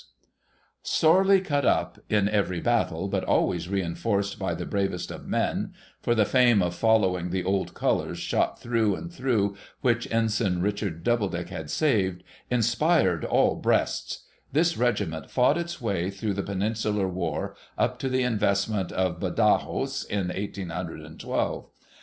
74 THE SEVEN POOR TRAVELLERS Sorely cut up in every battle, but always reinforced by the bravest of men, — for the fame of following the old colours, shot through and through, which Ensign Richard Doubledick had saved, inspired all breasts, — this regiment fought its way through the Peninsular war, up to the investment of Badajos in eighteen hundred and twelve.